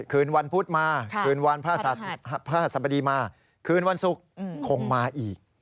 คืนวันพุธมาคืนวันพระสบดีมาคืนวันศุกร์คงมาอีก